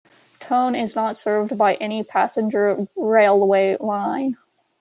Tone is not served by any passenger railway line.